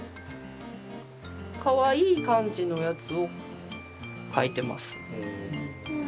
かわいい感じのやつを描いてます。